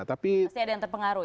pasti ada yang terpengaruh ya